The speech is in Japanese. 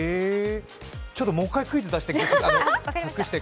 ちょっともう１回クイズ出して。